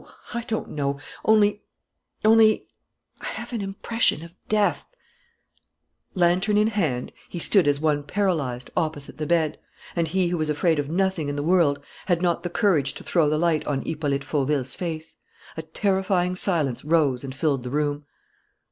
I don't know.... Only, only ... I have an impression of death " Lantern in hand, he stood as one paralyzed, opposite the bed; and he who was afraid of nothing in the world had not the courage to throw the light on Hippolyte Fauville's face. A terrifying silence rose and filled the room.